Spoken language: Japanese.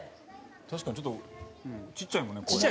確かにちょっとちっちゃいもんね声。